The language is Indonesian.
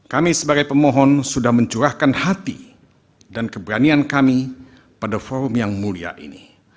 kami sebagai pemohon sudah mencurahkan hati dan keberanian kami pada forum yang mulia ini